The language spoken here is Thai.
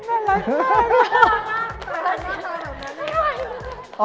น่ารักมาก